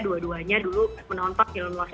dan saya sebenarnya awalnya sangat jatuh cita sama cerita